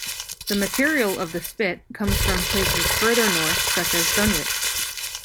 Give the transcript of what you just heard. The material of the spit comes from places further north, such as Dunwich.